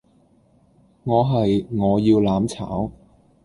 我係「我要攬炒」